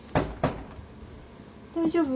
・・大丈夫？